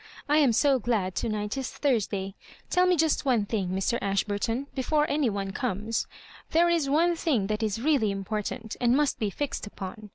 I am so glad to night is Thursday. Tell me just one thing, Mr. Aishburton, before any one comes. There is one thing that is really important, and must be fixed upon.